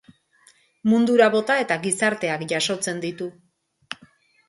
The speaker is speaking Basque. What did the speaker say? Mundura bota eta gizarteak jasotzen ditu.